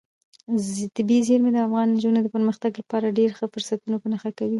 طبیعي زیرمې د افغان نجونو د پرمختګ لپاره ډېر ښه فرصتونه په نښه کوي.